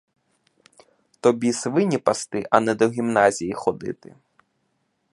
Тобі свині пасти, а не до гімназії ходити!